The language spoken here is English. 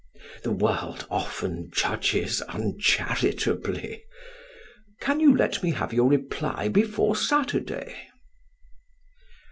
The world often judges uncharitably. Can you let me have your reply before Saturday?"